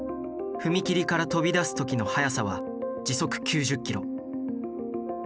踏切から飛び出す時の速さは時速９０ｋｍ。